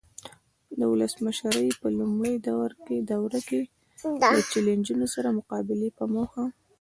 د ولسمشرۍ په لومړۍ دوره کې له چلنجونو سره مقابلې په موخه.